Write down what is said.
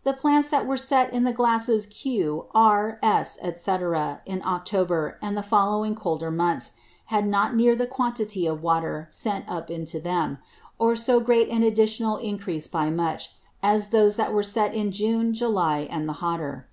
_ The Plants that were set in the Glasses Q, R, S, &c. in October, and the following colder Months, had not near the quantity of Water sent up into them, or so great an additional Encrease by much, as those that were set in June, July, and the hotter.